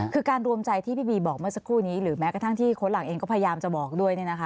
คือการรวมใจที่พี่บีบอกเมื่อสักครู่นี้หรือแม้กระทั่งที่โค้ดหลักเองก็พยายามจะบอกด้วย